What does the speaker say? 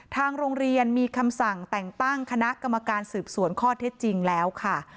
ทางโรงเรียนมีคำสั่งแต่งตั้งคณะกรรมการสืบสวนข้อเท็จจริงแล้วค่ะ